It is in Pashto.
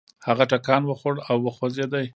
هغه ټکان وخوړ او وخوځېد.